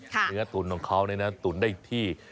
เฮือตุ๋นของเขานี่แบบตุ๋นได้ที่